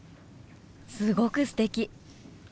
すごくすてき！